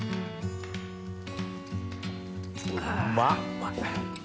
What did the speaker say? うまっ！